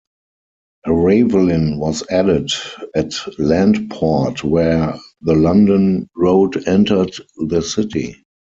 A ravelin was added at Landport where the London road entered the city.